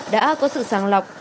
đã có sự sàng lọc